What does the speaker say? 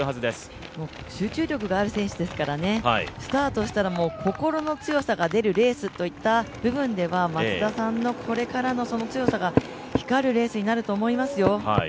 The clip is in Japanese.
ただ集中力がある選手ですからねスタートしたら心の強さが出るレースといった部分では松田さんのこれからの強さが光るレースになると思いますよ。